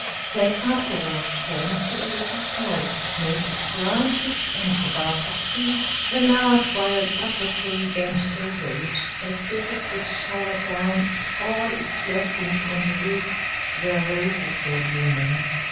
They afterwards came to a little house, made of branches and the bark of trees; a large wild apple tree bent over it, as if it would shower down all its blessings on the roof, where roses were blooming.